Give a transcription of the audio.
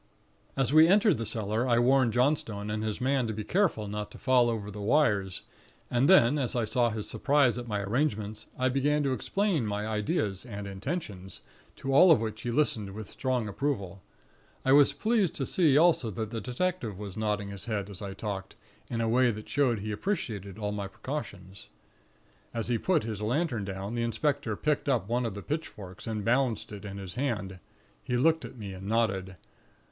"As we entered the cellar, I warned Johnstone and his man to be careful not to fall over the wires; and then, as I saw his surprise at my arrangements, I began to explain my ideas and intentions, to all of which he listened with strong approval. I was pleased to see also that the detective was nodding his head, as I talked, in a way that showed he appreciated all my precautions. "As he put his lantern down, the inspector picked up one of the pitchforks, and balanced it in his hand; he looked at me, and nodded.